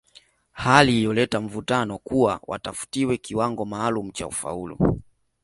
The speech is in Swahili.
Hali iliyoleta mvutano kuwa watafutiwe kiwango maalumu cha ufaulu